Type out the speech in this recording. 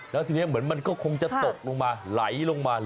แล้วทีนี้เหมือนมันก็คงจะตกลงมาไหลลงมาเลย